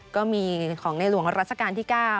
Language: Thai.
ก็มีของในหลวงรัชกาลที่๙